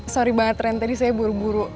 sorry banget tren tadi saya buru buru